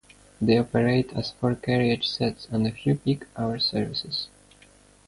They operate as four carriage sets on a few peak hour services.